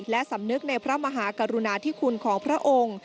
และสำนึกในพระมหากรุณาธิคุณของพระองค์